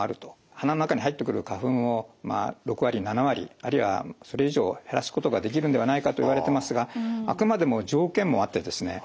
鼻の中に入ってくる花粉を６割７割あるいはそれ以上減らすことができるんではないかといわれてますがあくまでも条件もあってですね